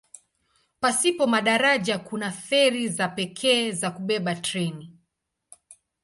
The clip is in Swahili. Pasipo madaraja kuna feri za pekee za kubeba treni.